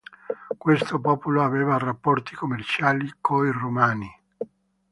Questo popolo aveva rapporti commerciali coi romani.